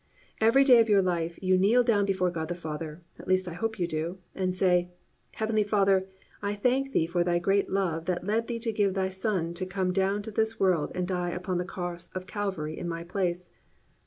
Every day of your life you kneel down before God the Father, at least I hope you do, and say, "Heavenly Father, I thank thee for thy great love that led thee to give thy Son to come down to this world and die upon the cross of Calvary in my place."